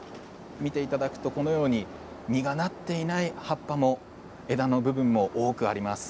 このように実がなっていない葉っぱも枝の部分も多くあります。